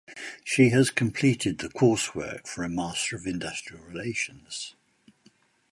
She has completed the coursework for a Master of Industrial Relations.